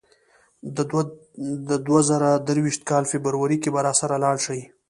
د دوه زره درویشت کال فبرورۍ کې به راسره لاړ شې.